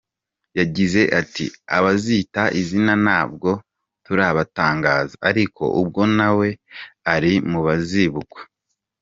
Yagize ati: "Abazita izina ntabwo turabatangaza, ariko ubwo na we ari mu bazibukwa.